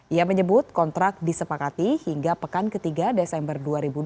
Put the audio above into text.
ia menyebut kontrak disepakati hingga pekan ketiga desember dua ribu dua puluh